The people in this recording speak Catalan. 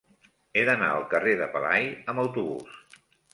He d'anar al carrer de Pelai amb autobús.